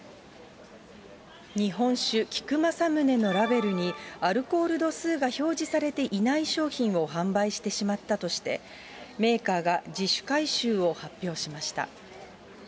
日本酒、菊正宗のラベルにアルコール度数が表示されていない商品を販売してしまったとして、メーカーが自主回収を発表しました。